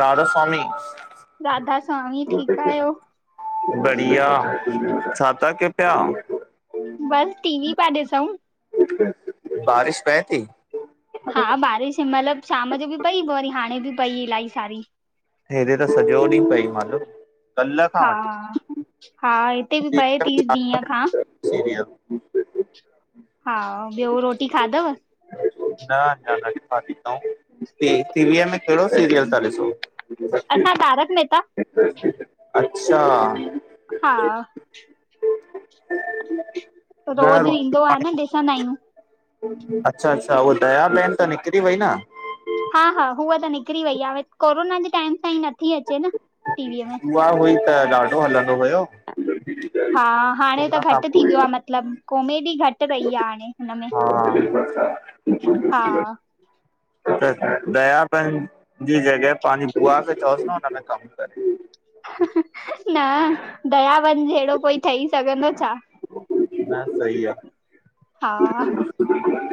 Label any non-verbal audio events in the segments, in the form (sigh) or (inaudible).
राधास्वामी राधा स्वामी ठीकु आहियो? (unintelligible) बढिया, छा था कर्यो पया? बस टी वी पिया ॾिसूं। (unintelligible) बारिश पवे थी? हा, बारिश मतलब शाम जो बि पई पोइ वरी हाणे बि पई इलाही सारी। हेॾे त सॼो ॾींहुं पई (unintelligible) कल्ह खां हा, वठी हा हिते बि पवे थी ॾींहं खां। (unintelligible) हा, ॿियो रोटी खाधव? (unintelligible) टीवी में केहड़ो सरियला ता ॾिसो? असां तारक मेहता। (unintelligible) अच्छा। हा रोज़ ईंदो आहे न ॾिसंदा आहियूं। (unintelligible) अच्छा-अच्छा, हूअ दया बहिन त निकिरी वई न? हा- हा, उहा त निकिरी वई आहे, कोरोना जे टाइम सां ई नथी अचे न टीवीअ में। उहा हुई त ॾाढो हलंदो हुयो। हा, हाणें हुन त खां घट थी पोइ वियो आहे मतलब कॉमेडी घट। हा (unintelligible) (unintelligible) दया बहिन। जी जॻह पांजी बूआ खे चवोस न हुनमें कम करे। न दया बहिन जहिड़ो कोई ठही सघंदो छा? (inaudible) सही आहे। हा - -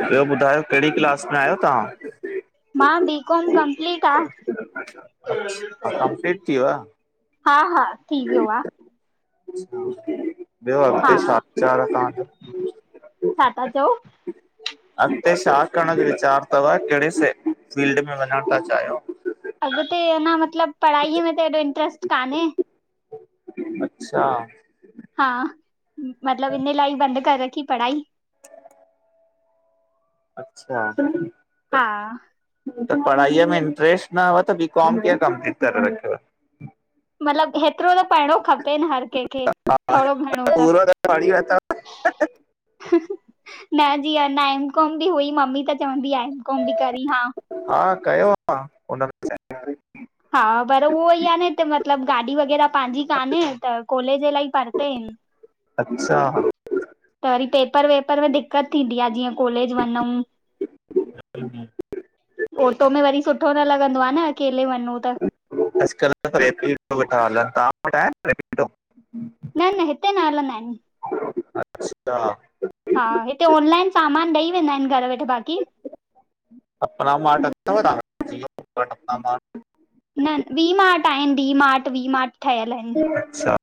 ॿियो ॿुधायो केहिड़ी क्लास में आहियो तव्हां? मां बीकॉम कंप्लीट हा अच्छा कंप्लीट थी वियो आ? हा-हा थी वियो आहे ॿियो अॻिते छा हा विचार आहे तव्हांजे? छा था चओ? अॻते छा करण जो विचार अथव केहिड़े से फील्ड में वञण था चाहिय? अॻते अञा मतलब पढ़ाई हीअं में त हेॾो इंट्र्स्ट कान्हे। अच्छा। हा मतलब हिन लाई बंद करे रखी पढ़ाई। अच्छा हां - - त पढ़ाईअ में इंट्रेस्ट न हुव त बी कॉम कीअं कंपलीट करे रखियो? मतलब हेतिरो त पढणो खपे न हर कंहिंखे थोरो घणो त। पूरो पढ़ी वतो - - हनह न जीअं हिन एम कॉम बि हुई मम्मी त चवंदी आहे एम कॉम बि करी हा। हा, कयो आह हुन मे। (inaudible) हा पर उहो हीअ आहे न हिते मतलब गाॾी वग़ैरह पंहिंजी कान्हे त कोलेज अलाही परते आहिन। (inaudible) अच्छा। त वरी पेपर वेपर में दिक्कत थींदी आ जीअं कॉलेज वञूं। (inaudible) ओटो में वरी सुठो न लॻंदो आ न अकेले वञूं। त अॼुकल त रेपिडो वठा हलन तां वठ आएं रेपिडो। न न हिते न हलंदा आहिन। अच्छा हा हिते ऑनलाइन सामान ॾेई वेंदा आहिन घर वेठे बाक़ी। (inaudible) न वी मार्ट आहिन डी मार्ट वी मार्ट ठहयल आहिन। अच्छा।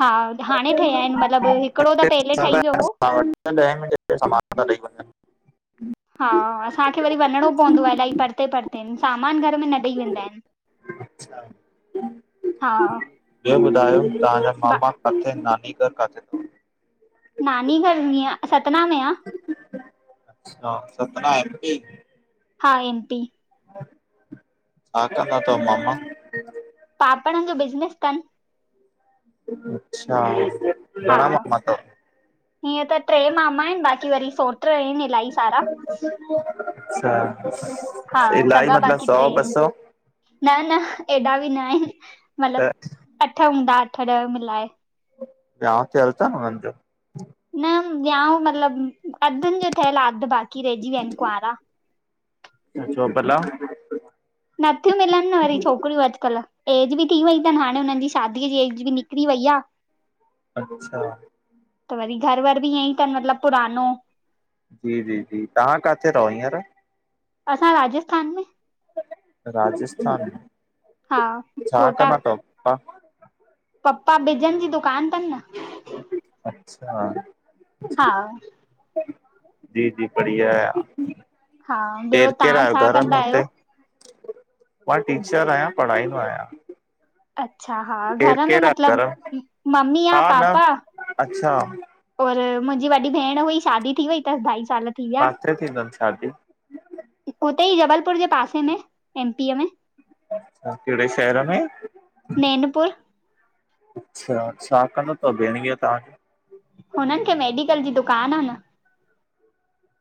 हा हाणे ठहिया आहिन मतलब हिकिड़ो त पेहेले ठही वियो हो। हां अचन ता ॾह मिनट में सामान थाॾेई वञन। हा असांखे वरी वञिणो पवंदो आहे अलाही परते परते सामान घर में न ॾेई वेंदा आहिन। अच्छा हा ब्यो ॿुधायो। तांजा ब मामा काथे नानी घर काथे? अथव? नानी घर हुंदी आ सतना में आह। अच्छा सतना एम पी। हा, एम् पी। हा, त काथो मामा। पापड़न जो बिज़नेस ठन। अच्छा। हा घणा मामा अथव? हीअं त ट्रे मामा आहिन बाक़ी वरी सो। ट्र हिन इलाई सारा। अच्छा हा ते इलाही सॻा मतलब बाक़ी सौ टे ॿ आहिन सौ न - न एॾा बि न आहिन मतलब त अठ हूंदा अठ ॾह मिलाए। वियाांह उथे हलल ता हुनन जो? न वियाांहू मतलब अधन जो ठहियल हा अध बाक़ी रहंजी विया आहिन कुंवारा। छो बलां। नथियूं मिलन न वरी छोकिरियूं अजकल। ऐज बि थी वई थन हाणे हुनन जी शादीअ जी ऐज बि निकरी वयीया। अच्छा। त वरी घर वर बि ईअं ई तन मतलब पुरानो। जी जी जी, तां काथे रहो हींअर। असां राजस्थान में। राजस्थान, हा छा कंदा तव पपा। पपा बिजन जी दुकान तन न। अच्छा। हा। जी जी बढिया, हा ॿियो केर केर तव्हां आयो छा घर में कंदा आहियो हुते। मां टीचर आहयां पढ़ाईंदो आहयां। अच्छा, हा घर में आहे मतलब घर में मम्मी आ हा न पापा। अच्छा। और मुंहजी वॾी भेण हुई शादी थी वई तस ढाई साल थी विया काथे थी तन शादी? उते ई जबलपुर जे पासे में, एमपीअ में। अच्छा केड़े शहर में? नैनपुर। अच्छा छा कंदो तव भेहणीयो तव्हांजो? हुनन खे मेडिकल जी दुकान आ न।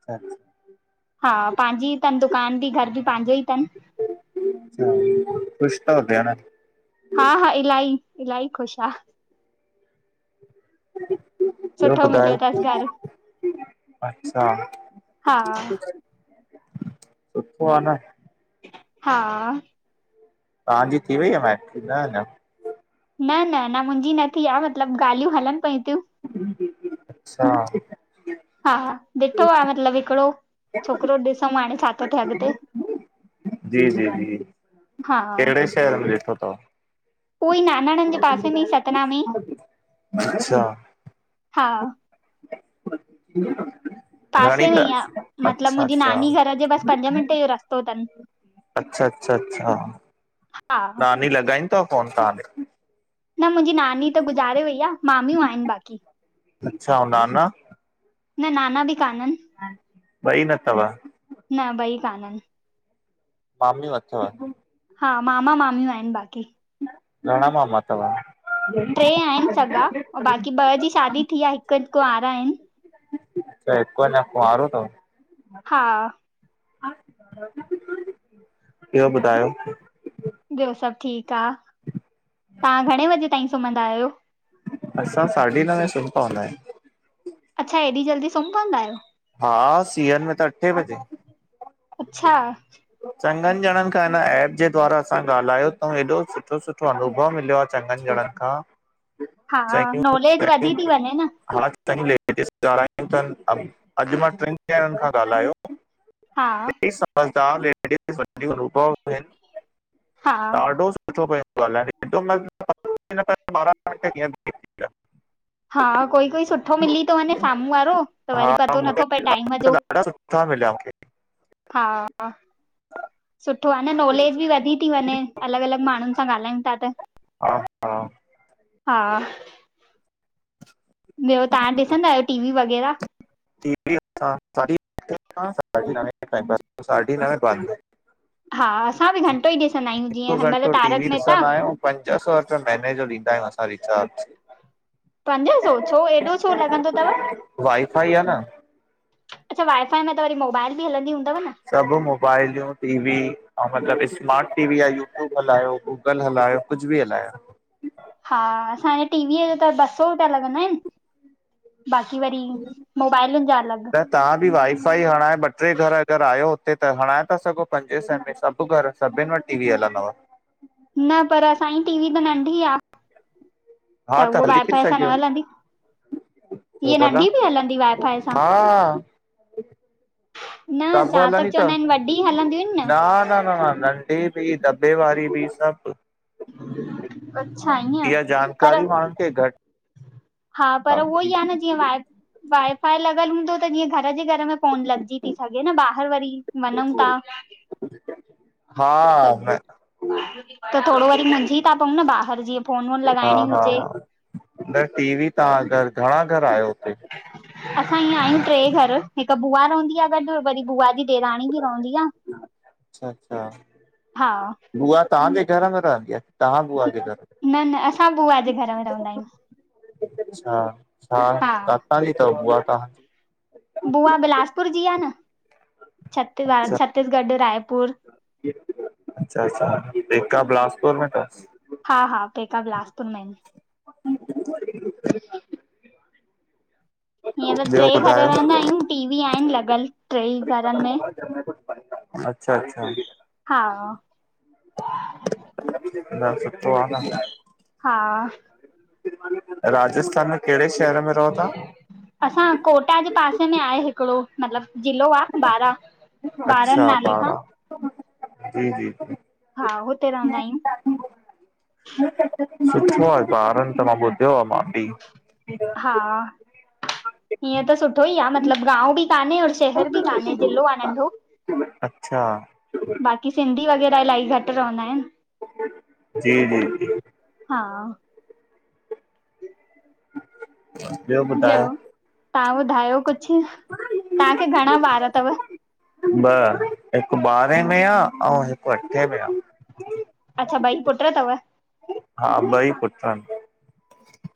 अच्छा। हा पाहंजी तन दुकान भी घर भी पाहंजो ई तन। अच्छा खुश तव भेण? हा हा इलाही इलाही खुश आ। ॿियो ॿुधायो? अच्छा। हा सुठो आ न। हा। तव्हांजी थी वई आ मैरिज? न अना। न न अना मुंहिंजी न थी आ मतलब ॻाल्हियूं हलन पयूं थयूं। अच्छा। हा ॾिठो आ मतलब‌ हिकड़ो छोकरो ॾिसूं हाणे छा थो थे अॻते। जी जी जी कहिड़े शहर में ॾिठो तव? उहो ई नानाणन जे पासे में ई सतना में अच्छा हा। (unintelligible) पासे में त ई आ मतलब अच्छा मुंहिंजी अच्छा नानी घर जे बस पंज मिंट जो रस्तो तन। अच्छा अच्छा अच्छा हा नानी लॻाईदी तव फोन तव्हां खे? न मुंहिंजी नानी त गुज़ारे वई आ। मामियूं आहिन बाकी। अच्छा ऐं नाना न नाना बि कान्ह अन। ॿई न तव? न ॿई कान अन। मामियुं अथव? हा मामा मामियूं आहिन बाक़ी। घणा मामा तव? ट्रे आहिन सगा ऐं बाक़ी ॿ जी शादी थी आ हिक कुंवारा आहिन। अच्छा त हिक अना कुआंरो तव? हा। ॿियो ॿुधायो। ॿयो सभ ठीक आ। तव्हां घणे वजे ताईं सुम्हंदा आहियो? असां साढी नवें सुम्ही पवंदा आहियूं। अच्छा हेॾी जल्दी सुंम पंवदा आहियो। हा! सियनि में त अठे बजे। अच्छा! चङनि ॼणनि खां हिन एप जे द्वारा असां ॻाल्हायो तऊं, हेॾो सुठो सुठो अनुभव मिलियो आहे। चङनि ॼणनि खां। हा! नॉलेज वधी थी वञे न। तई लेटेस्ट गाल्हियूंअ तनि अॼु मां टिनि ॼणनि खां ॻाल्हायो। हा झदारड वभडोस हा (unintelligible) सुठो पियो ॻाल्हाय (unintelligible) हेॾ म हा कोई-कोई सुठो मिली थो वञे साम्हूं वारो, त वरी पतो नथो पए टाइम जो। तां मिलया मूंखे। हा-हा सुठो आहे न नॉलेज बि वधी थी वञे, अलॻि-अलॻि माण्हुनि सां ॻाल्हायूं था त। हा हा हा ॿियो तव्हां ॾिसंदा आहियो टी-वी वॻेरहा? ा (unintelligible) साढी नवें बाद हा असां बि घंटो ई ॾिसंदा आहियूं, हिकु जीअं हिन महिल घंटो टीवी तारक मेहता। ॾिसंदा आहियूं पंज सौ त महीने जो ॾींदा आहियूं असां रिचार्ज। पंज सौ, छो एॾो छो लॻंदो तव? कीअ न? अच्छा वाईफाई में त वरी मोबाइल बि हलंदी हूंदव न। सभु मोबाइलूं, टीवी अउ मतलबु स्मार्ट टीवी या यूट्यूब हलायो। गूगल हलायो कुझु बि हलायो। हा असांजे टीवीअ जो त ॿ सौ रुपिया लॻंदा आहिनि। बाक़ी वरी मोबाइलूं जा अलिॻ। त तव्हां बि वाईफाई हणाए ॿ टे घर अगरि आहियो हुते त, हणाए था सघो पंजे सै में सभु घर। सभिनि वटि टी-वी हलंदव। न पर असां जी टी-वी त नंढी आ। त हा हू हली थी वाईफाई सां न सघियो हलंदी। छो हीअ भला नंढी ॿि हलंदी वायफाय सां। हा न ॻॾु (unintelligible) जहां तक हलंदी तव चवंदा आहिनि वॾी हलंदियूं आहिनि न न-न-न-न- हे ॿि दबे वारी ॿि सभु (unintelligible) अच्छा ईअं इहा पर जानकारी माण्हुनि खे घटि हा पर उहो ई आहे न, जीअं वाईफाई लॻल हूंदो त जीअं घर जे घर में फोन लॻजी थी सघे न, ॿाहिरि वरी वञणु ता। हा (unintelligible) त थोरो वरी मुंझी था पऊं न ॿाहिरि, जीअं फोन-वोन लॻाइणी हुजे। त टी-वी तव्हां घर, घणा घर आहियो हुते? (unintelligible) असां ईय आहियूं ट्रे घर, हिकु बुआ रहंदी आहे ॻॾु, वरी बुआ जी ॾेराणी ॿि रहंदी आहे। (inaudible) अच्छा-अच्छा बुआ तव्हांजे घर में रहंदी आहे, तव्हां बुआ जे घर? न-न असां बुआ जे घर में रहंदा आहियूं। अछा छा हा काथा जी तव बुआ तहां? बुआ बिलासपुर जी आहे न, छती छत्तीसगढ़ रायपुर। अच्छा-अच्छा पेका बिलासपुर में तस। हा-हा पेका बिलासपुर में आहिनि। (unintelligible) हिअर ॿियो ट्रे घर रहंदा ॿुधायो? आहियूं टी-वी आहिनि लॻल ट्रैई घरनि में। अच्छा-अच्छा हा (unintelligible) न सुठो आ न। हा राजस्थान में कहिड़े शहर में रहो तहां? असां कोटा जे पासे में आहे हिकिड़ो। मतलब ज़िलो आ बारहं ॿारहनि अच्छा नाले सां। पारा जी जी हा, हुते रहंदा आहियूं। सुठो आहे, ॿारनि त मां ॿुधियो आहे मां ॿि। हा हीअं त सुठो ई आ मतलबु गांओ बि कान्हे और शहर ॿि कान्हे, जिलो आहे नंढो। अच्छा बाक़ी सिंधी वग़ैरह इलाही घट रहंदा आहिनि। जी जी जी हा (inaudible) ॿियो, तव्हां ॿुधायो कुछ, तव्हांखे घणा वार तव? ॿ हिकु बारंहें में आ, ऐं हिकु अठे में आ। अच्छा ॿई पुट तव? हा ॿई पुट्र इन।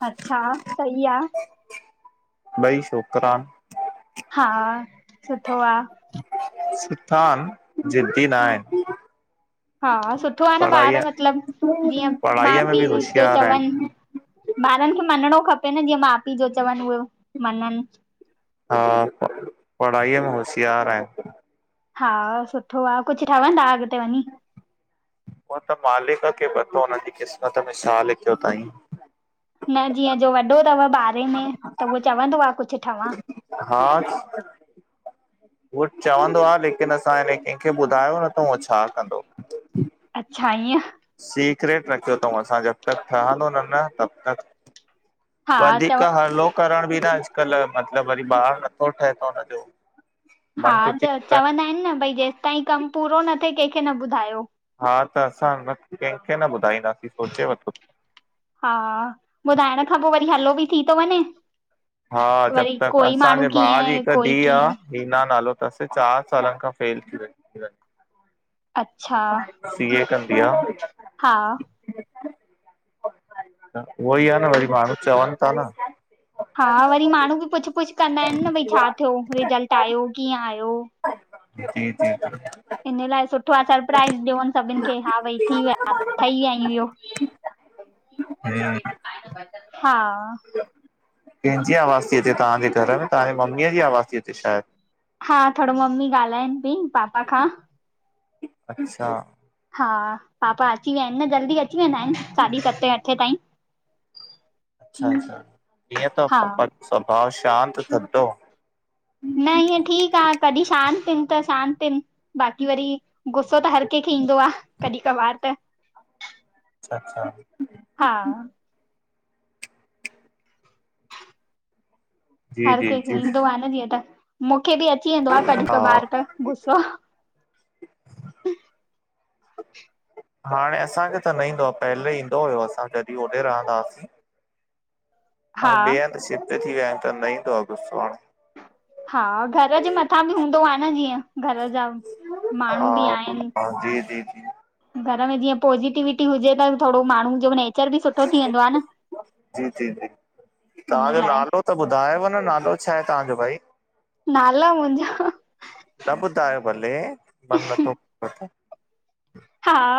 अच्छा सही आ। ॿई छोकरा। हा सुठो आ। सिधा आहिन, जिद्दी न आहिन। हा, सुठो आ न ॿार पढ़ाईअ मतलब जीअं माउ पढ़ाईअ में बि पीउ होशियार चवनि। आहिनि ॿारनि खे मञिणो खपे न जीअं, माउ पीउ जो चवनि उहे, मञनि। हा, पढ़ाईअ में होशियार आहिन। हा सुठो आ, कुछ ठहवंदा अॻिते वञी? उओ त मालिक खे पतो हुन जी क़िस्मत में छा लिखियो तईं। न जीअं जो वॾो तव ॿारहे में, त उहो चवंदो आ कुछ ठवां? हा हूहो चवंदो आ लेकिन असां याने कंहिंखे ॿुधायो न थउं उह छा कंदो। अच्छा ईअं सीक्रेट रखियो तऊं असां, जब तक ठहंदो न न तब तक हा वधीक चव हलो करण बि न अॼुकल्ह मतलब वरी ॿारु नथो ठहे थो हुनजो हा मन च टुटी पए चवंदा आहिनि न भाई जेसि ताईं कम पूरो न थिए कंहिंखे न ॿुधायो। हा त असां न कंहिंखे न ॿुधाईंदासीं, सोचे वरतो। हा, ॿुधाइण खां पो वरी हल्लो ॿि थी तो वञे। हा जब वरी त कोई माण्हू असांजे भा जी कीअं हिक कोई धीअ आ कीअं हीना नालो थस, चार सालनि खां फेल थी अच्छा सी ए कंदी आ। उहो हा ही आ न, वरी माण्हू चवनि था न। हा वरी माण्हू बि पुछ पुछ कंदा आहिनि न भाई छा थियो रिजल्ट आयो कीअं आयो? जी जी इन लाइ सुठो आहे सरप्राइज़ ॾियोन सभिनि खे, हा भई थी विया ठही विया आयूं इहो। हम्म। हा कंहिंजी आवाज़ थी अचे तव्हांजे घर में, तव्हांजी मम्मी जी आवाज़ थी अचे शायद। हा थोरो ममी ॻाल्हाइनि पयी पापा खां। अच्छा। हा पापा अची विया आहिनि न जल्दी अची वेंदा आहिनि साढी सते अठे ताईं। अच्छा अच्छा, कीअं तव हा पापाजो स्वभाव शांति, थदो। न ईअं ठीक आ कॾहिं शांत इन त शांत ईन। बाक़ी वरी गुस्सो त हर कंहिंखे ईंदो आ कॾहिं कॿार त। अच्छा अच्छा। हा, जी हर जी केंखे जी ईंदो आ न जीअं त मूंखे बि अची वेंदो आ कॾीं हा कॿार त गुस्सो हाणे असांखे त न ईंदो आ पहले ईंदो हुओ असां जॾीं होॾे रहंदा हआसीं। हा हाणे ॿेए हंध शिफ्ट थी वया आहिनि त न ईंदो आ गुस्सो हाणे। हा घर जे मथां बि हूंदो आ‌ न जीअं घर जा माण्हू हा बि आहिनि। हा जी जी जी। घर में जीअं पोज़िटिविटी हुजे त थोडो माण्हू जो (unintelligible) बि सुठो थी वेंदो आ न। जी जी जी। इन तव्हांजो लाइ नालो त ॿुधायव न नालो छा आहे तव्हांजो भई। नाला मुंजो। न ॿुधायो भले मन नथो हा,